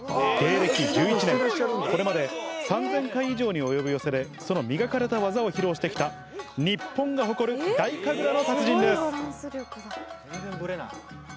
芸歴１１年これまで３０００回以上に及ぶ寄席でその磨かれた技を披露して来た日本が誇る太神楽の達人です。